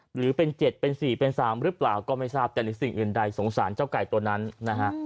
หรือเป็น๗เป็น๔เป็น๓หรือเปล่าก็ไม่ทราบแต่ในสิ่งอื่นใดสงสารเจ้าไก่ตัวนั้นนะฮะ